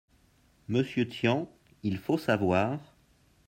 Monsieur Tian, il faut savoir